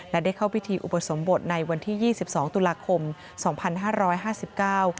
และได้เข้าพิธีอุปสมบทในวันที่ยี่สิบสองตุลาคมสองพันห้าร้อยห้าสิบเก้า